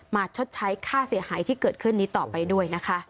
ชดใช้ค่าเสียหายที่เกิดขึ้นนี้ต่อไปด้วยนะคะ